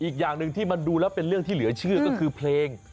อีกอย่างหนึ่งที่มันดูแล้วเป็นเรื่องที่เหลือเชื่อก็คือเพลง